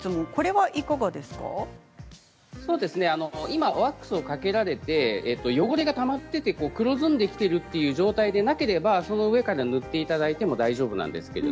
今ワックスをかけられて汚れがたまっていて黒ずんできているという状態でなければその上から塗っていただいても大丈夫です。